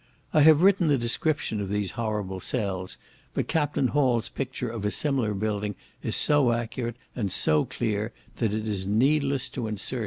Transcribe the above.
I had written a description of these horrible cells, but Captain Hall's picture of a similar building is so accurate, and so clear, that it is needless to insert it.